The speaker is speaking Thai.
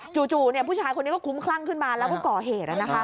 จู่เนี่ยผู้ชายคนนี้ก็คุ้มคลั่งขึ้นมาและก็ก่อเหตุนะคะ